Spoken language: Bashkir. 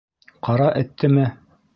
— Ҡара Эттеме?